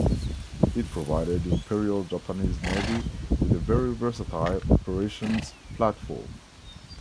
It provided the Imperial Japanese Navy with a very versatile operations platform.